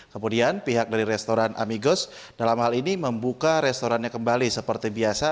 kemudian pihak dari restoran amigos dalam hal ini membuka restorannya kembali seperti biasa